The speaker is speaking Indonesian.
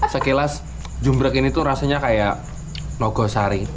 sekilas jumbrek ini tuh rasanya kayak noh goh sari